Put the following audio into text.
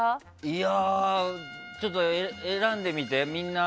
いやあ、ちょっと選んでみて。